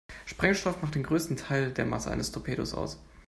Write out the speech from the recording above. Sprengstoff macht den größten Teil der Masse eines Torpedos aus.